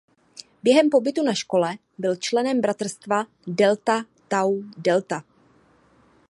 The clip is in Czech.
Během pobytu na škole byl členem bratrstva Delta Tau Delta.